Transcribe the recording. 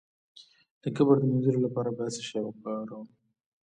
د کبر د مینځلو لپاره باید څه شی وکاروم؟